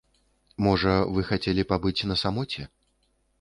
Можа, вы хацелі пабыць на самоце?